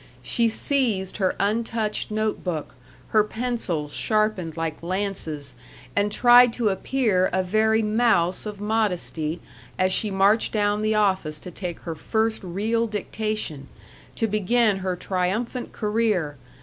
She seized her untouched note book, her pencils sharpened like lances, and tried to appear a very mouse of modesty as she marched down the office to take her first real dictation, to begin her triumphant career....